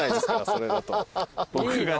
それだと。